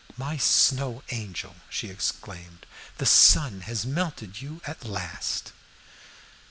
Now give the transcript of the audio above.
"My Snow Angel," she exclaimed, "the sun has melted you at last!"